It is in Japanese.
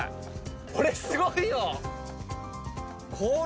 これすごいよ！